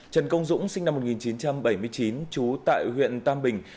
trần công dũng sinh năm một nghìn chín trăm bảy mươi chín trú tại huyện tam bình